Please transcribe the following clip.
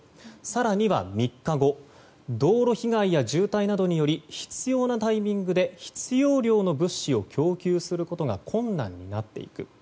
更には３日後道路被害や渋滞などにより必要なタイミングで必要量の物資を供給することが困難になっていく。